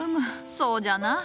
そうじゃなあ。